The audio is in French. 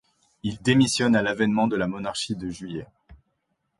Il démissionne à l'avènement de la Monarchie de Juillet.